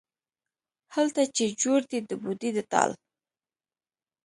هلته چې جوړ دی د بوډۍ د ټال،